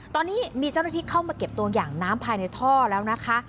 ตอนนี้มีเจ้าหน้าที่เข้ามาเก็บตัวอย่างน้ำภายในท่อแล้วนะคะ